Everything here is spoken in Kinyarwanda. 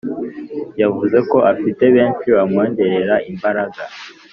yavuze ko afite benshi bamwongerera imbaraga